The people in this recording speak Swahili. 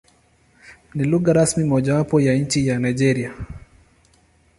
Ni lugha rasmi mojawapo ya nchi ya Nigeria.